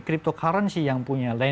cryptocurrency yang punya